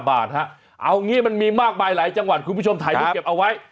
เอางี้มันมีมากมายหลายจังหวัดคุณผู้ชมถ่ายรูปเก็บเอาไว้